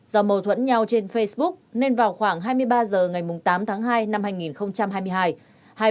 do mâu thuẫn nhau trên facebook nên vào khoảng hai mươi ba h ngày tám tháng hai năm hai nghìn hai mươi hai